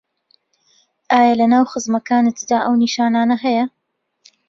ئایا لەناو خزمەکانتدا ئەو نیشانانه هەیە